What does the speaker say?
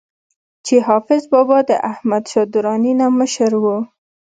چې حافظ بابا د احمد شاه دراني نه مشر وو